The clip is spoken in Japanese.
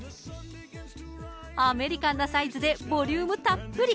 アメリカンなサイズでボリュームたっぷり。